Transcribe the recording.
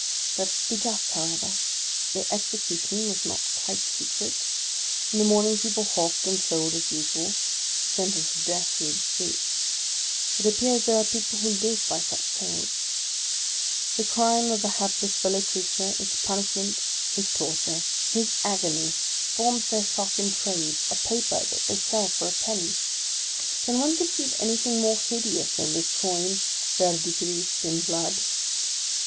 Let us be just, however; the execution was not quite secret. In the morning people hawked and sold, as usual, the sen tence of death through the streets. It appears there are people who live by such sales. The crime of a hapless fellow creature, its punishment, his torture, his agony, forms their M. VICTOR HUGO 33 stock in trade — a paper that they sell for a penny. Can one corceive anything more hideous than this coin, verdigrised in blood?